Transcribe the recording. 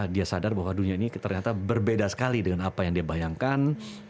dia sadar bahwa dunia ini ternyata berbeda sekali dengan apa yang dia bayangkan